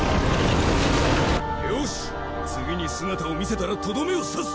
よし次に姿を見せたらとどめを刺す！